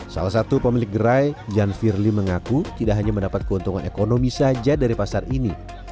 salah satu pemilik gerai jan firly mengaku tidak hanya mendapat keuntungan ekonomi saja dari pasar ini